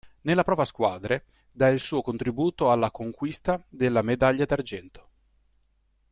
Nella prova a squadre, dà il suo contributo alla conquista della medaglia d'Argento.